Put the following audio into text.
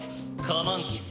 「カマンティス。